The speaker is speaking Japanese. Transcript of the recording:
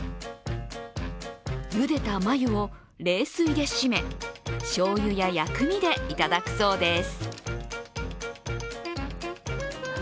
ゆでたまゆを冷水で締めしょうゆや薬味でいただくそうです。